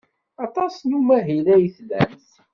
Aṭas n umahil ay tlamt?